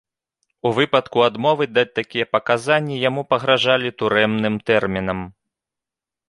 У выпадку адмовы даць такія паказанні яму пагражалі турэмным тэрмінам.